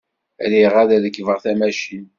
Riɣ ad rekbeɣ tamacint.